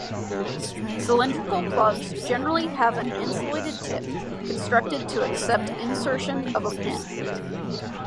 Cylindrical plugs generally have an insulated tip constructed to accept insertion of a pin.